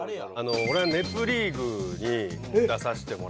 俺が『ネプリーグ』に出させてもらって。